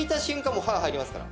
もう刃が入りますから。